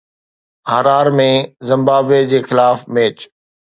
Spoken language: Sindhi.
هارار ۾ زمبابوي جي خلاف ميچ